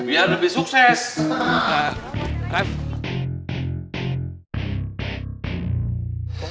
biar lebih sukses